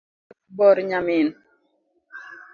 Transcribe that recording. Wuoth bor nyamin